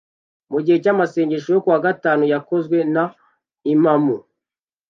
mugihe cyamasengesho yo kuwa gatanu yakozwe na imamu